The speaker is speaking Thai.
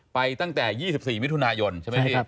ไปตั้งแต่๒๔มิถุนายนใช่ไหมครับ